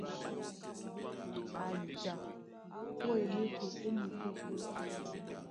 A ja ó eɓóko ó mukókó.